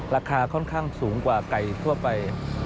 ราคาค่อนข้างสูงกว่าไก่ทั่วไป